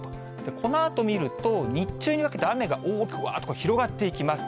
このあと見ると、日中にかけて雨が大きく、わーっと広がっていきます。